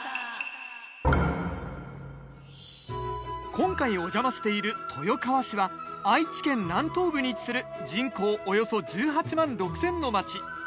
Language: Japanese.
今回お邪魔している豊川市は愛知県南東部に位置する人口およそ１８万６，０００の町。